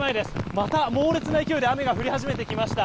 また猛烈な勢いで雨が降り始めてきました。